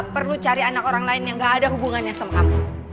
perlu cari anak orang lain yang gak ada hubungannya sama kamu